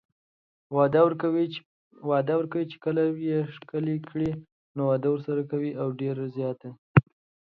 وعده ورکوي چې که يې ښکل کړي نو واده ورسره کوي او ډيره زياته